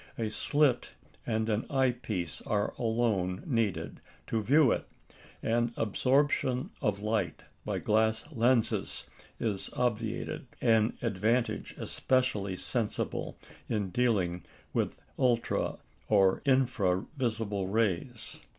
A slit and an eye piece are alone needed to view it, and absorption of light by glass lenses is obviated an advantage especially sensible in dealing with the ultra or infra visible rays.